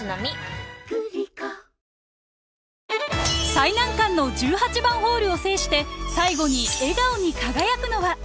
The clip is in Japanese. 最難関の１８番ホールを制して、最後に笑顔に輝くのは。